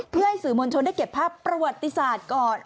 เพื่อให้สื่อมวลชนได้เก็บภาพประวัติศาสตร์ก่อน